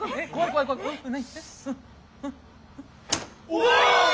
お！